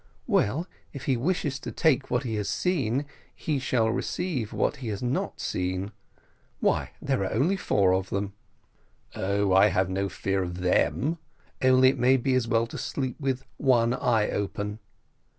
"Well, if he wishes to take what he has seen, he shall receive what he has not seen why, there are only four of them?" "Oh, I have no fear of them, only it may be as well to sleep with one eye open."